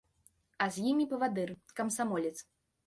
А з імі павадыр, камсамолец.